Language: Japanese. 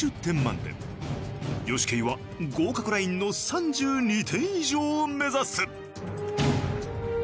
ヨシケイは合格ラインの３２点以上を目指す。